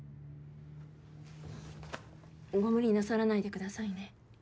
ご無理なさらないでくださいね。